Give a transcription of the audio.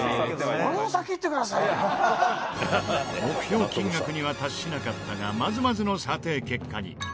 目標金額には達しなかったがまずまずの査定結果に。